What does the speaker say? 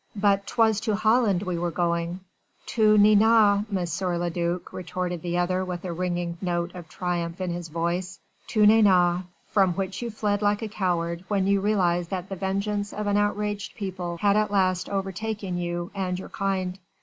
"But 'twas to Holland we were going." "To Nantes, M. le duc," retorted the other with a ringing note of triumph in his voice, "to Nantes, from which you fled like a coward when you realised that the vengeance of an outraged people had at last overtaken you and your kind."